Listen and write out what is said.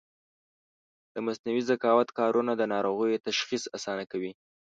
د مصنوعي ذکاوت کارونه د ناروغیو تشخیص اسانه کوي.